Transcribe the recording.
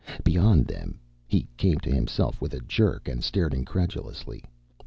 Beyond them he came to himself with a jerk and stared incredulously.